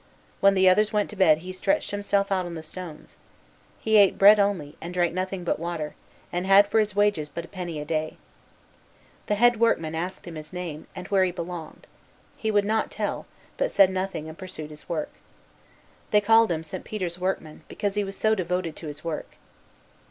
When the others went to bed he stretched himself out on the stones. He ate bread only, and drank nothing but water; and had for his wages but a penny a day. The head workman asked him his name, and where he belonged. He would not tell, but said nothing and pursued his work. They called him St. Peter's workman, because he was so devoted to his work.